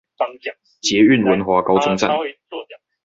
捷運文華高中站